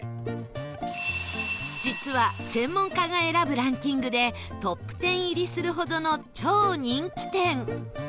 実は専門家が選ぶランキングでトップ１０入りするほどの超人気店